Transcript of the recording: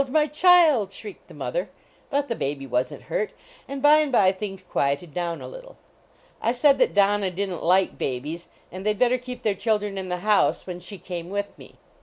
my child!" shrieked the mother. But the baby wasn t hurt, and by and by things juieted down a little. I said that Donna didn t like babies .. n d they d bet ter keep their children in the house when ^hr came with me.